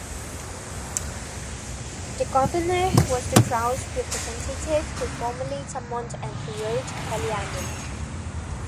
The Governor was the Crown's representative who formally summoned and prorogued Parliament.